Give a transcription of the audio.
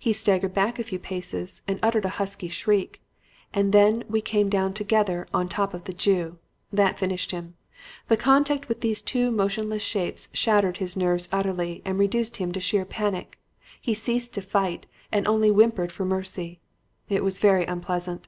He staggered back a few paces and uttered a husky shriek, and then we came down together on top of the Jew. That finished him. The contact with those two motionless shapes shattered his nerves utterly and reduced him to sheer panic. He ceased to fight and only whimpered for mercy. "It was very unpleasant.